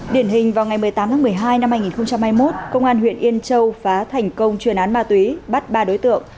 điển hình vào ngày một mươi tám tháng một mươi hai năm hai nghìn hai mươi một công an huyện yên châu phá thành công chuyên án ma túy bắt ba đối tượng